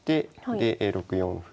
で６四歩。